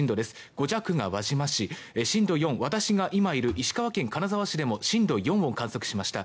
５弱が輪島市震度４、私が今いる石川県金沢市でも震度４を観測しました。